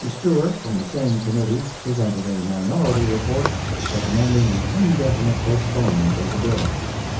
Stewart, from the same committee, presented a minority report recommending the indefinite postponement of the bill.